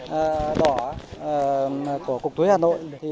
đây là đoạn đỏ của cục thuế hà nội